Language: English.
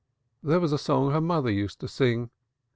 There was a song her mother used to sing.